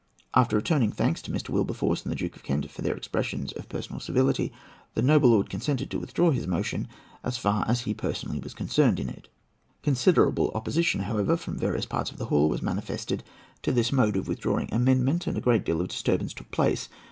After returning thanks to Mr. Wilberforce and the Duke of Kent for their expressions of personal civility, the noble lord consented to withdraw his motion so far as he was personally concerned in it. Considerable opposition, however, from various parts of the hall was manifested to this mode of withdrawing the amendment, and a great deal of disturbance took place.